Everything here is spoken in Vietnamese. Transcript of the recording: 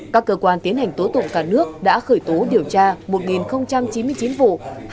các cơ quan tiến hành tố tụng cả nước đã khởi tố điều tra một chín mươi chín vụ